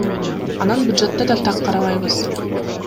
Анан бюджетте да так карабайбыз.